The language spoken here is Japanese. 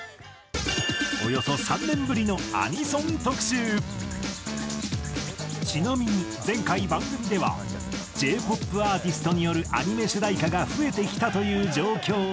およそ３年ぶりのちなみに前回番組ではＪ−ＰＯＰアーティストによるアニメ主題歌が増えてきたという状況や。